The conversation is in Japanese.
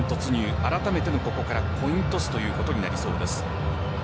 あらためてのここからコイントスということになりそうです。